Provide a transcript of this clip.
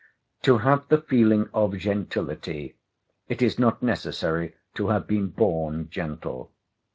To have the feeling of gentility, it is not necessary to have been born gentle.